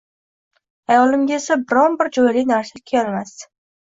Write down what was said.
xayolimga esa biron-bir jo‘yali narsa kelmasdi.